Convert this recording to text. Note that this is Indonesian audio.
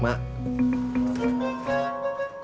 mak kesian nama lo